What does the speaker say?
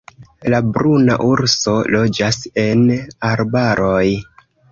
La bruna urso loĝas en arbaroj.